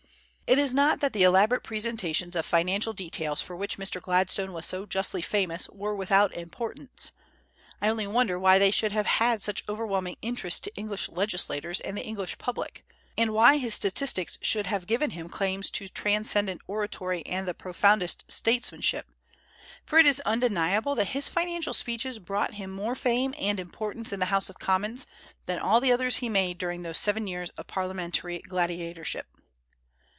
It is not that the elaborate presentations of financial details for which Mr. Gladstone was so justly famous were without importance. I only wonder why they should have had such overwhelming interest to English legislators and the English public; and why his statistics should have given him claims to transcendent oratory and the profoundest statesmanship, for it is undeniable that his financial speeches brought him more fame and importance in the House of Commons than all the others he made during those seven years of parliamentary gladiatorship.